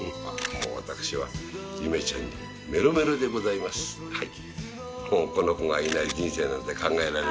私は夢ちゃんにメロメロでございますほい